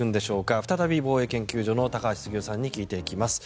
再び防衛研究所の高橋杉雄さんに聞いていきます。